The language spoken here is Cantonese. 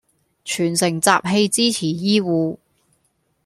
全城集氣支持醫護